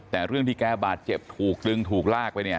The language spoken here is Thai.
แต่เรื่องที่แกบาดเจ็บถูกดึงถูกลากไปเนี่ย